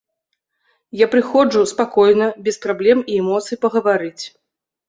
Я прыходжу, спакойна, без праблем і эмоцый, пагаварыць.